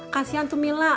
kasian tuh mila